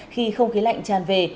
khi không khí lạnh tràn về